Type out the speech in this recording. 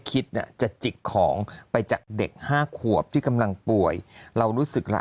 คิดเนี่ยจะจิกของไปจากเด็กห้าขวบที่กำลังป่วยเรารู้สึกละ